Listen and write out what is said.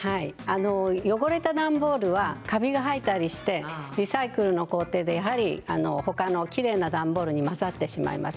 汚れた段ボールはカビが生えたりしてリサイクルの工程で、やはりほかのきれいな段ボールに混ざってしまいます。